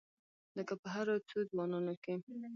لکه په هرو څو ځوانانو کې.